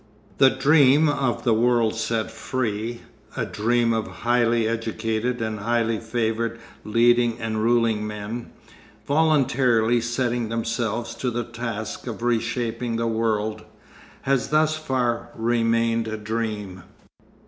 The dream of The World Set Free, a dream of highly educated and highly favoured leading and ruling men, voluntarily setting themselves to the task of reshaping the world, has thus far remained a dream.